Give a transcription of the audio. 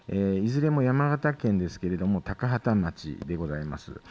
いずれも山形県ですけれども高畠町でございます。